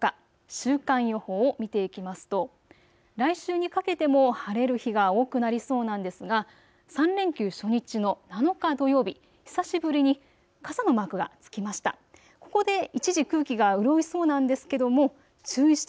週間予報を見ていきますと来週にかけても晴れる日が多くなりそうなんですが３連休初日の７日土曜日、久しぶりに傘のマークがつきました。